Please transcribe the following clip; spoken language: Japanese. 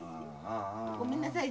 ごめんなさい。